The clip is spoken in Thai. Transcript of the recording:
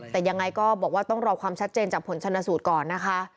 แต่ยังไงก็บอกว่าต้องรอความชัดเจนจากผลชนสูตรก่อนนะคะ